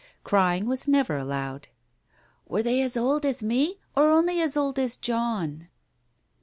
Crying was never allowed. "Were they as old as me, or only as old as John